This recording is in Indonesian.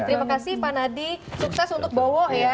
terima kasih mbak nadi sukses untuk bawa ya